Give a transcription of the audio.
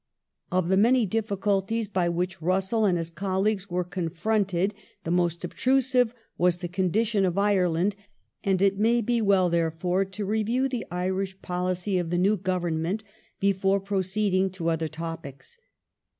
Of the many difficulties by which Russell and his colleagues The Irish were confronted the most obtrusive was the condition of Ireland, famine 3.nQ its and it may be well, therefore, to review the Irish policy of the new conse Government before proceeding to other topics.